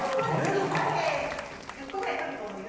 １回で１０個くらいとる子もいる。